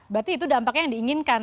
berarti itu dampaknya yang diinginkan